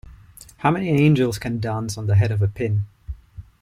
How many angels can dance on the head of a pin?